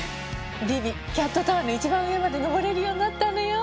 ビビキャットタワーの一番上まで登れるようになったのよ。